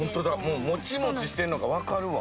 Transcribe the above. もうモチモチしてるのがわかるわ。